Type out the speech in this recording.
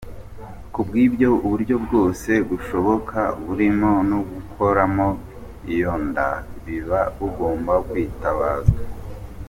Ku bw’ibyo, uburyo bwose bushoboka burimo no gukuramo iyo nda, biba bugomba kwitabazwa.